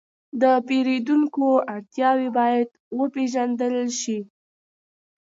د پیرودونکو اړتیاوې باید وپېژندل شي.